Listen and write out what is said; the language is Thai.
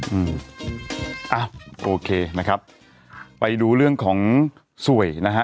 อืมอ่ะโอเคนะครับไปดูเรื่องของสวยนะฮะ